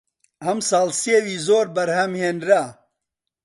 ئەمساڵ سێوی زۆر بەرهەم هێنرا